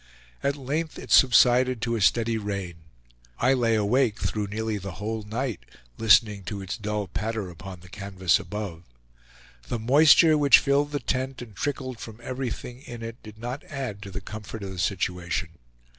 At length it subsided to a steady rain. I lay awake through nearly the whole night, listening to its dull patter upon the canvas above. The moisture, which filled the tent and trickled from everything in it, did not add to the comfort of the situation.